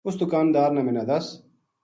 اُس دکاندار نا منا دس